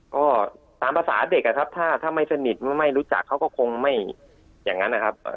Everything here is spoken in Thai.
ก็ตามภาษาเด็กอะครับถ้าไม่สนิทไม่รู้จักเขาก็คงไม่อย่างนั้นนะครับ